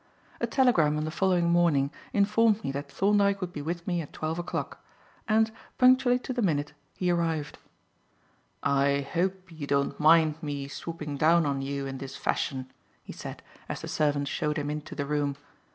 A telegram on the following morning informed me that Thorndyke would be with me at twelve o'clock, and, punctually to the minute, he arrived. "I hope you don't mind me swooping down on you in this fashion," he said, as the servant showed him into the room.